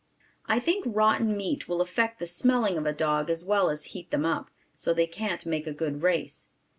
I think rotten meat will affect the smelling of a dog as well as heat them up, so they can't make a good race.